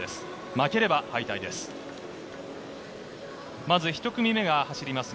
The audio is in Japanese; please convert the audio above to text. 負ければ敗退です。